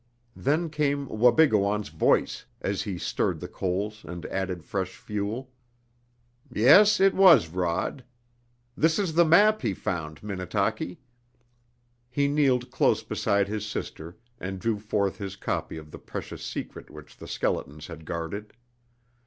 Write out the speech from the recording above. Then came Wabigoon's voice, as he stirred the coals and added fresh fuel. "Yes, it was Rod. This is the map he found, Minnetaki." He kneeled close beside his sister and drew forth his copy of the precious secret which the skeletons had guarded.